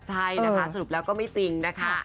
ใช่นะคะสรุปแล้วก็ไม่จริงนะคะ